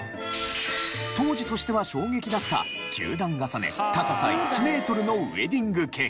当時としては衝撃だった９段重ね高さ１メートルのウエディングケーキ。